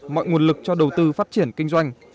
mọi nguồn lực cho đầu tư phát triển kinh doanh